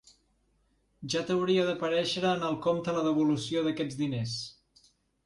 Ja t'hauria d'aparèixer en el compte la devolució d'aquests diners.